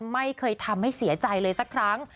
ไม่เคยทำให้เสียใจเลยสักครั้ง